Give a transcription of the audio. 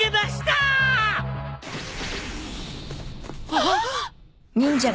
あっ！